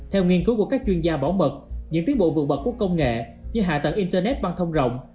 theo nghiên cứu của các chuyên gia bảo mật những tiến bộ vượt bật của công nghệ như hạ tầng internet băng thông rộng